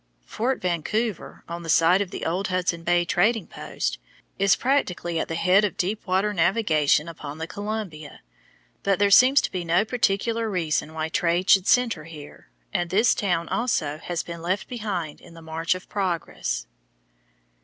Fort Vancouver, on the site of the old Hudson Bay trading post, is practically at the head of deep water navigation upon the Columbia, but there seems to be no particular reason why trade should centre here, and this town also has been left behind in the march of progress.